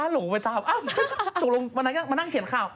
หลงไปตามเอ้าสกลงมานั่งเขียนข่าว